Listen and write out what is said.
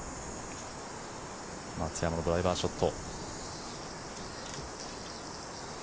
松山のドライバーショット。